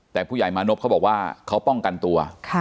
แต่ผู้ใหญ่มานพเขาบอกว่าเขาป้องกันตัว